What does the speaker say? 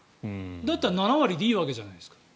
だったら７割でいいじゃないですか。